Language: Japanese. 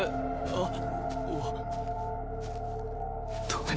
あっ。